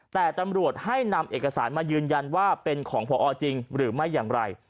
แต่ตำรวจให้นำเอกสารมายืนยันว่าเป็นของพอจริงหรือไม่อย่างไร